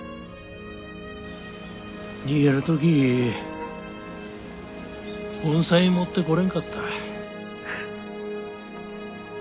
逃げる時盆栽持ってこれんかった。